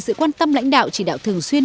sự quan tâm lãnh đạo chỉ đạo thường xuyên